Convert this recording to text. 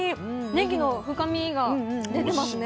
ねぎの深みが出てますね。